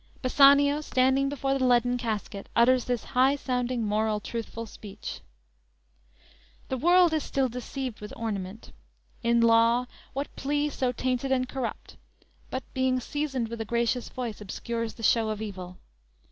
"_ Bassanio, standing before the leaden casket, utters this high sounding, moral, truthful speech: _"The world is still deceived with ornament. In law, what plea so tainted and corrupt, But, being seasoned with a gracious voice Obscures the show of evil?